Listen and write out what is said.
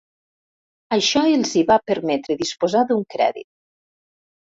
Això els hi va permetre disposar d'un crèdit.